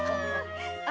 あ！